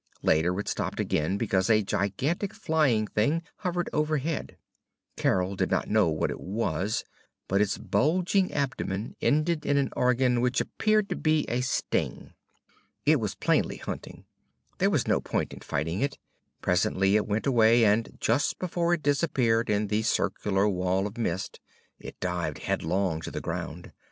Later, it stopped again because a gigantic flying thing hovered overhead. Carol did not know what it was, but its bulging abdomen ended in an organ which appeared to be a sting. It was plainly hunting. There was no point in fighting it. Presently it went away, and just before it disappeared in the circular wall of mist it dived headlong to the ground.